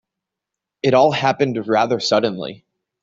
It all happened rather suddenly.